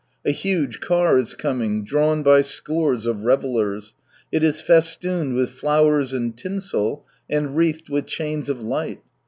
A huge car is coming, drawn by scores of revellers. It is festooned with flowers and tinsel, and wreathed with chains of light.